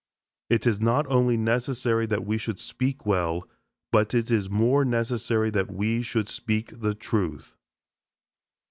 It is not only necessary that we should speak well, but it is more necessary that we should speak the truth.